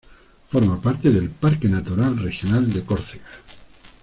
Forma parte del Parque Natural Regional de Córcega.